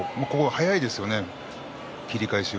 速いですよね切り返し。